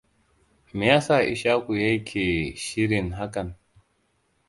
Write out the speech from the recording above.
Meyasa Ishaku yake shirin hakan?